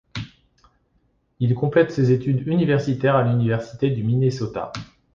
Il complète ses études universitaires à l'Université du Minnesota.